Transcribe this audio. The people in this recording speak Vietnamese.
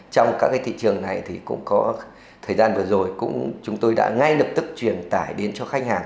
trong các thị trường này cũng có thời gian vừa rồi chúng tôi đã ngay lập tức truyền tải đến cho khách hàng